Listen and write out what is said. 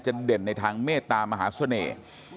เด่นในทางเมตตามหาเสน่ห์